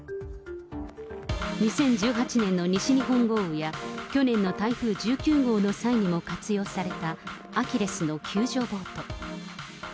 ２０１８年の西日本豪雨や、去年の台風１９号の際にも活用された、アキレスの救助ボート。